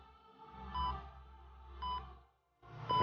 kamu sudah selesai